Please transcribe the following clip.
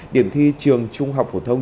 điểm thi trường trung học hồ thông